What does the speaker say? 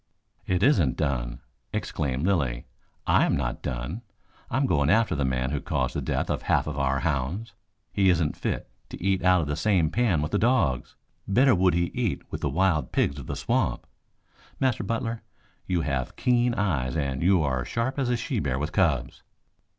"It isn't done," exclaimed Lilly. "I am not done. I am going after the man who caused the death of half of our hounds. He isn't fit to eat out of the same pan with the dogs. Better would he eat with the wild pigs of the swamp. Master Butler, you have keen eyes and you are sharp as a she bear with cubs."